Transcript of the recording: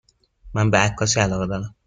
من به عکاسی علاقه دارم.